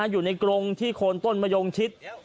อยู่ในกรงที่คนต้นมายงชิด